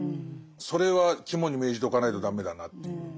それは肝に銘じておかないと駄目だなという。